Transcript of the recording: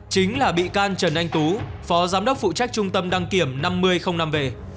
chính là bị can trần anh tú phó giám đốc phụ trách trung tâm đăng kiểm năm mươi năm v